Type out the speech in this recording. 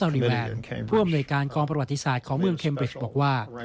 ผู้ที่อำนวยการกองประวัติศาสตร์ของเมืองเค็มเบรจบอกว่า